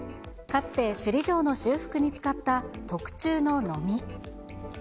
かつて首里城の修復に使った特注ののみ。